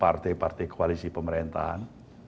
partai partai koalisi pemerintahan